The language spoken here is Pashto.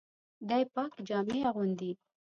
دی پاکي جامې اغوندي.